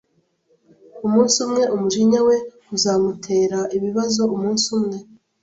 Umunsi umwe umujinya we uzamutera ibibazo umunsi umwe